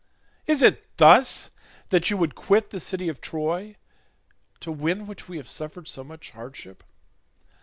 Is it thus that you would quit the city of Troy, to win which we have suffered so much hardship?